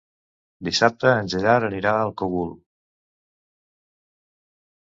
Dissabte en Gerard anirà al Cogul.